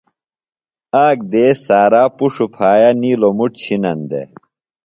آک دیس سارا پُݜوۡ پھایہ نِیلوۡ مُٹ چِھنن دےۡ۔